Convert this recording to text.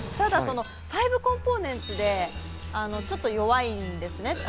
ただファイブコンポーネンツでちょっと弱いんですね。